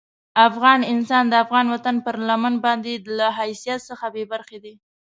افغان انسان د افغان وطن پر لمن باندې له حیثیت څخه بې برخې دي.